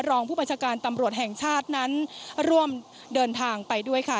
รองผู้บัญชาการตำรวจแห่งชาตินั้นร่วมเดินทางไปด้วยค่ะ